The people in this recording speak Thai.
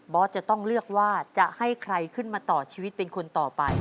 บอสจะต้องเลือกว่าจะให้ใครขึ้นมาต่อชีวิตต่อ